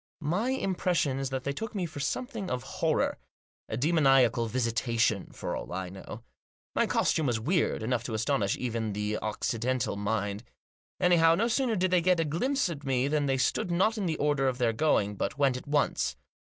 My impression is that they took me for something of horror; a demoniacal visitation, for all I know. My costume was weird enough to astonish even the Occidental mind. Anyhow, no sooner did they get a glimpse at me than they stood not on the order of their going, but went at once.